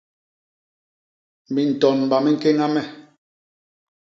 Mintonba mi ñkéña me!̂.